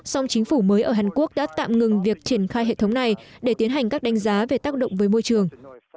song chính phủ mới ở hàn quốc đã tạm ngừng việc triển khai hệ thống này để tiến hành các đánh giá về tác động với môi trường